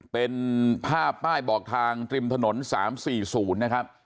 เป็นภาพป้ายบอกทางริมถนน๓๔๐นะครับ